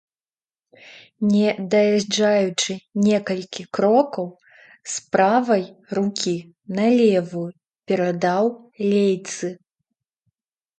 Не даязджаючы некалькі крокаў, з правай рукі на левую перадаў лейцы.